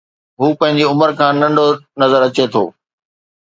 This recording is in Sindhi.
هو پنهنجي عمر کان ننڍو نظر اچي ٿو